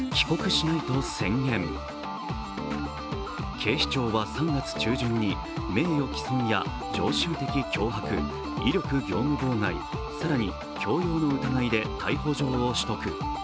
警視庁は３月中旬に、名誉毀損や常習的脅迫、威力業務妨害、更に強要の疑いで逮捕状を取得。